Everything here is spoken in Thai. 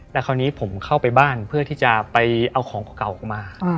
แล้วคราวนี้ผมเข้าไปบ้านเพื่อที่จะไปเอาของเก่าออกมา